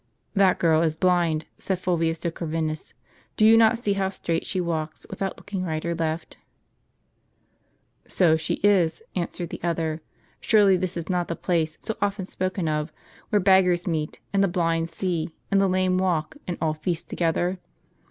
" That girl is blind," said Fulvius to Corvinus. " Do you not see how straight she walks, without looking right or left ?"" So she is," answered the other. " Surely this is not the place so often spoken of, where beggars meet, and the blind * Job xxix. 15. see, and the lame walk, and all feast together?